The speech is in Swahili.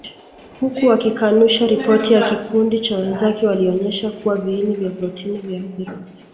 Huku wakikanusha ripoti ya kikundi cha wenzake walionyesha kuwa viini vya protini vya virusi